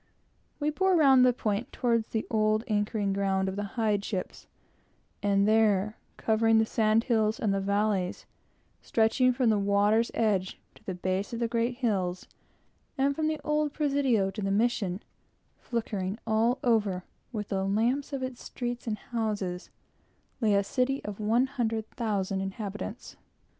We bore round the point toward the old anchoring ground of the hide ships, and there, covering the sand hills and the valleys, stretching from the water's edge to the base of the great hills, and from the old Presidio to the Mission, flickering all over with the lamps of its streets and houses, lay a city of one hundred thousand inhabitants.